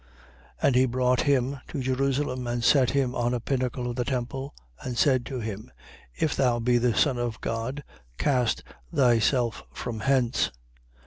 4:9. And he brought him to Jerusalem and set him on a pinnacle of the temple and said to him: If thou be the Son of God, cast thyself from hence.